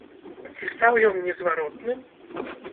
Ці стаў ён незваротным?